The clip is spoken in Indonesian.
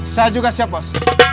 saya juga siap bos